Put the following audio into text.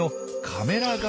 カメラ眼？